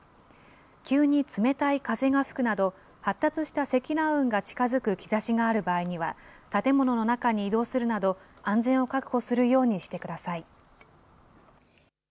急に冷たい風が吹くなど、発達した積乱雲が近づく兆しがある場合には、建物の中に移動するなど、安全を確保するようにしてください。